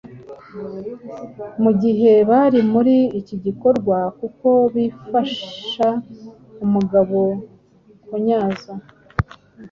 mugihe bari muri iki gikorwa kuko bifasha umugabo kunyaza